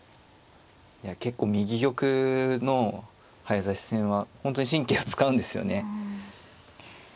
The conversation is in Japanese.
いや結構右玉の早指し戦は本当に神経を使うんですよね。